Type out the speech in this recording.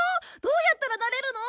どうやったらなれるの？